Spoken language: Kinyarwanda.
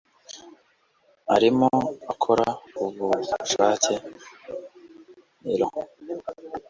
Arimo akora ku bushake Nero